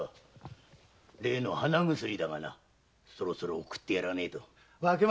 例の鼻薬だがなそろそろ送ってやらねぇとな。